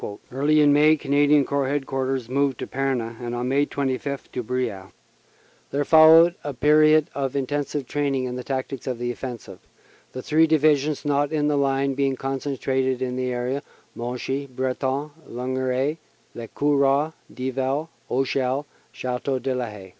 Early in May Canadian Corps Headquarters moved to Pernes and on May 25 to Bryas. There followed a period of intensive training in the tactics of the offensive, the three divi sions not in the line being concentrated in the area Monchy Breton Lignereuil Le Cauroy Dieval Auchel Chateau de la Haie.